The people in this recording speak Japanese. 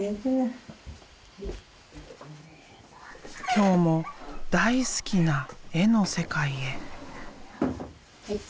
今日も大好きな絵の世界へ。